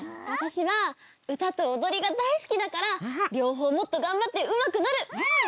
私は歌と踊りが大好きだから両方もっと頑張ってうまくなる！